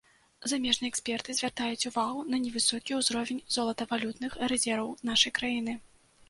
Замежныя эксперты звяртаюць увагу на невысокі ўзровень золатавалютных рэзерваў нашай краіны.